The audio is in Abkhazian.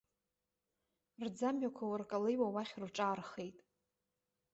Рӡамҩақәа уаркалеиуа уахь рҿаархеит.